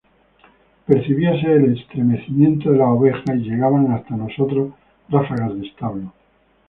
percibíase el estremecimiento de las ovejas, y llegaban hasta nosotros ráfagas de establo